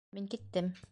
Мин киттем.